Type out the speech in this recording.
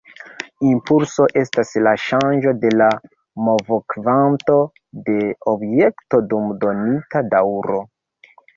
Impulso estas la ŝanĝo de la movokvanto de objekto dum donita daŭro.